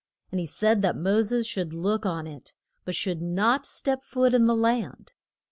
And he said that Mo ses should look on it, but should not step foot in the land.